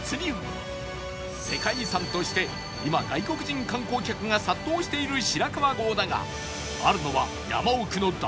世界遺産として今外国人観光客が殺到している白川郷だがあるのは